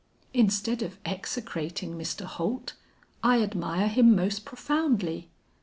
Instead of execrating Mr. Holt, I admire him most profoundly.